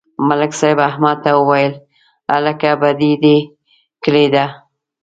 ملک صاحب احمد ته وویل: هلکه، بدي دې کړې ده.